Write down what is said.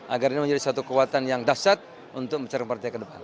agar ini menjadi satu kekuatan yang dasar untuk mencari partai ke depan